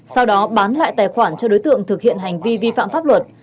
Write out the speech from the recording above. sau đó bán lại tài khoản cho đối tượng thực hiện hành vi vi phạm pháp luật